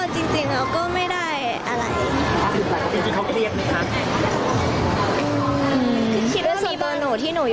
จริงเราก็ไม่ได้อะไร